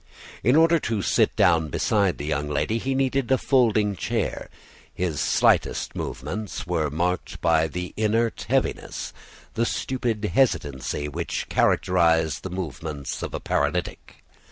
In order to sit down beside the young lady he needed a folding chair. His slightest movements were marked by the inert heaviness, the stupid hesitancy, which characterize the movements of a paralytic.